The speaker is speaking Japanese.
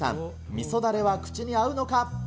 みそだれは口に合うのか。